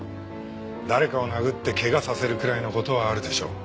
誰かを殴って怪我させるくらいの事はあるでしょう。